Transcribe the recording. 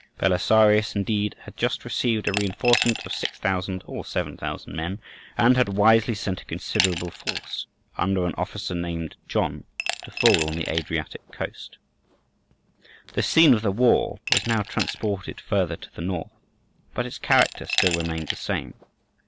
Belisarius, indeed, had just received a reinforcement of 6,000 or 7,000 men, and had wisely sent a considerable force, under an officer named John, to fall on the Adriatic coast. The scene of the war was now transported further to the north; but its character still remained the same.